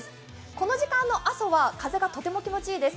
この時間の阿蘇は風がとても気持ちいいです。